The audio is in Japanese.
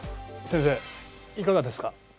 先生いかがですか？